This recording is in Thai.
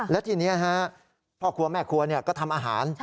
และทีนี้พ่อครัวแม่ครัวก็ทำอาหาร